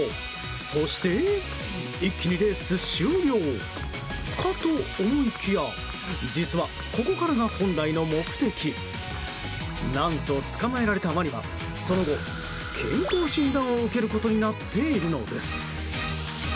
そして一気にレース終了かと思いきや実は、ここからが本来の目的。何と捕まえられたワニはその後、健康診断を受けることになっているのです。